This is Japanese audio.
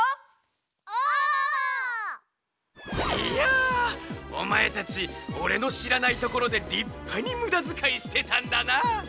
いやおまえたちおれのしらないところでりっぱにむだづかいしてたんだな。